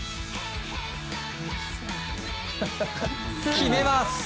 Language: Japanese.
決めます！